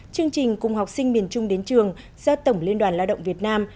chương trình cùng học sinh miền trung đến trường do tổng liên đoàn lao động việt nam